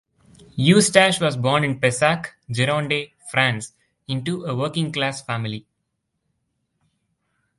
Eustache was born in Pessac, Gironde, France into a working class family.